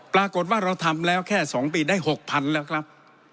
ปรากฏว่าเราทำแล้วแค่๒ปีได้๖๐๐๐แล้วครับ